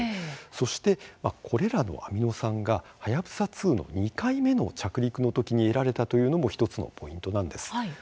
そして、これらのアミノ酸がはやぶさ２の２回目の着陸のときに得られたというのも１つのポイントなんです。